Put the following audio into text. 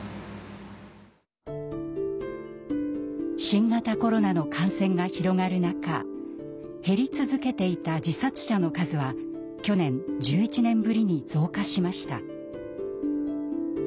新型コロナの感染が広がる中減り続けていた自殺者の数は去年１１年ぶりに増加しました。